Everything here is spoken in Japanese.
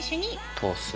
通す。